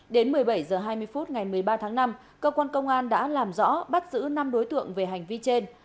đến một mươi bảy h hai mươi phút ngày một mươi ba tháng năm cơ quan công an đã làm rõ bắt giữ năm đối tượng về hành vi trên